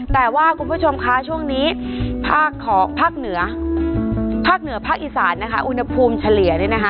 แต่ว่าคุณผู้ชมคะช่วงนี้ภาคเหนือภาคเหนือภาคอีสานนะคะอุณหภูมิเฉลี่ยเนี่ยนะคะ